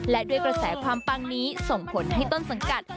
และด้วยกระแสความปังนี้ส่งผลให้ต้นสังกัด